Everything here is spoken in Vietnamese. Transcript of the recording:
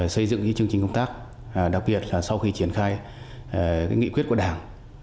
xây dựng chương trình công tác đặc biệt là sau khi triển khai nghị quyết của đảng